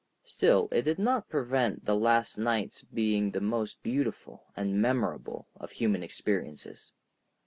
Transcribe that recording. Still it did not prevent the last nights being the most beautiful and memorable of human experiences.